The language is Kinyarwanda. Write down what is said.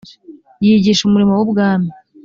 yigisha umurimo w ubwami